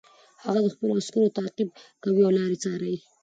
هغه د خپلو عسکرو تعقیب کوي او لاروي څاري.